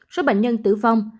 số bệnh nhân tử vong